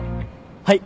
はい。